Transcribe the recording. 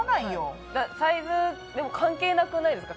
サイズでも関係なくないですか。